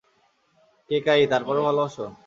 কেকায়ী- তারপরও ভালোবাসো?